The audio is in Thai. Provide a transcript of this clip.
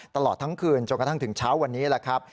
ตลอดทั้งคืนจนกระทั่งถึงเช้าวันนี้แหละครับ